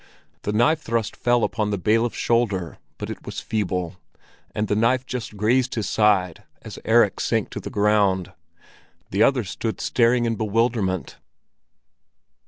The knife thrust fell upon the bailiff's shoulder, but it was feeble, and the knife just grazed his side as Erik sank to the ground. The others stood staring in bewilderment.